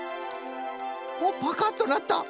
おっパカッとなった。